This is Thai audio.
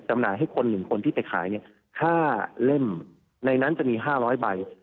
จำหน่ายให้คนหรือคนที่ไปขายค่าเล่มในนั้นจะมี๕๐๐ใบ